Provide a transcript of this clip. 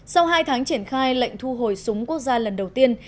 sau hai tháng triển khai lệnh thu hồi súng quốc gia lần đầu tiên